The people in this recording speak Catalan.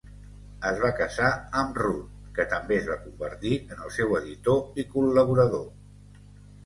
Es va casar amb Ruth, que també es va convertir en el seu editor i col·laborador.